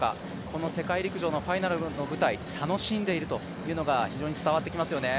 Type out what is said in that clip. この世界陸上のファイナルの舞台、楽しんでいるというのが非常に伝わってきますよね。